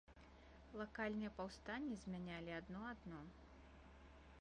Лакальныя паўстанні змянялі адно адно.